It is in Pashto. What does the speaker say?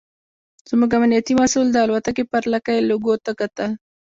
زموږ امنیتي مسوول د الوتکې پر لکۍ لوګو ته کتل.